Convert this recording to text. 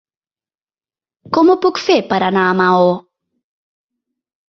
Com ho puc fer per anar a Maó?